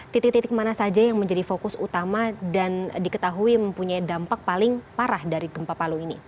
titik titik mana saja yang menjadi fokus utama dan diketahui mempunyai dampak paling parah dari gempa palu ini